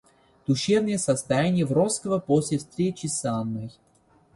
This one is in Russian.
Душевное состояние Вронского после встречи с Анной.